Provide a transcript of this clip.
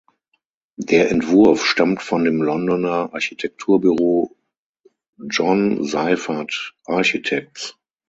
Der Entwurf stammt von dem Londoner Architekturbüro John Seifert Architects.